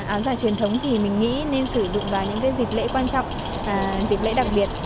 áo dài truyền thống thì mình nghĩ nên sử dụng vào những dịp lễ quan trọng dịp lễ đặc biệt